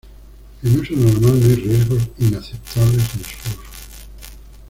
En uso normal no hay riesgos inaceptables en su uso.